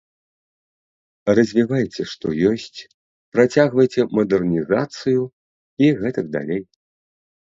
Развівайце, што ёсць, працягвайце мадэрнізацыю, і гэтак далей.